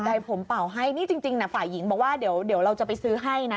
ใดผมเป่าให้นี่จริงนะฝ่ายหญิงบอกว่าเดี๋ยวเราจะไปซื้อให้นะ